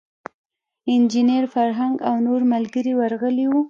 انجینیر فرهنګ او نور ملګري ورغلي وو.